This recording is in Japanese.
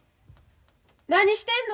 何してんの？